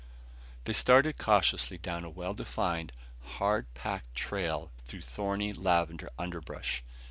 They started cautiously down a well defined, hard packed trail through thorny lavender underbrush.